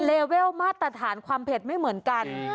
เลเวลมาตรฐานความเผ็ดไม่เหมือนกัน